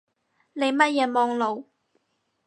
你乜嘢網路